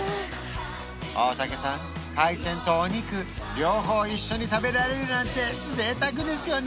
大竹さん海鮮とお肉両方一緒に食べられるなんて贅沢ですよね？